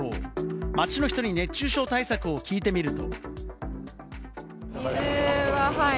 街の人に熱中症対策を聞いてみると。